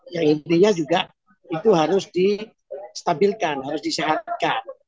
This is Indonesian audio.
yang intinya juga itu harus di stabilkan harus disehatkan